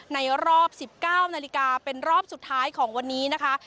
ในรอบ๑๙นาฬิกาเป็นรอบสุดท้ายของวันนี้นะคะ